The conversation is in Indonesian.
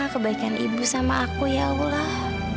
kebaikan ibu sama aku ya allah